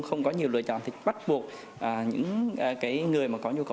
không có nhiều lựa chọn thì bắt buộc những người mà có nhu cầu